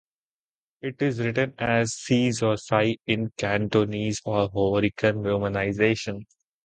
It is written as Sze or Sy in Cantonese or Hokkien romanisation.